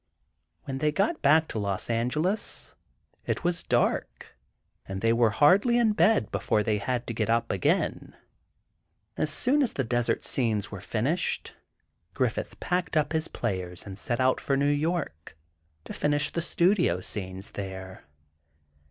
When they got back to Los Angeles, it was dark, and they were hardly in bed before they had to get up again. As soon as the desert scenes were finished, Griffith packed up his players and set out for New York to finish the studio scenes there.